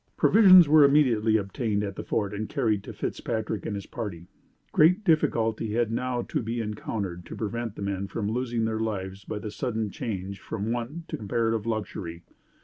Provisions were immediately obtained at the Fort and carried to Fitzpatrick and his party. Great difficulty had now to be encountered to prevent the men from losing their lives by the sudden change from want to comparative luxury.